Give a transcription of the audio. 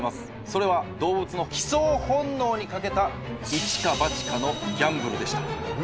それは動物の帰巣本能に賭けたイチかバチかのギャンブルでした。